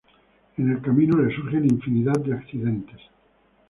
En el camino le surgen infinidad de accidentes.